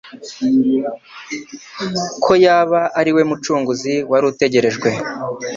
ko yaba ari we Mucunguzi wari utegerejwe